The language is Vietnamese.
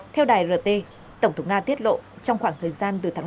theo đài rt tổng thống nga tiết lộ trong khoảng thời gian từ tháng bốn